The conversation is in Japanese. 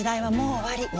終わり？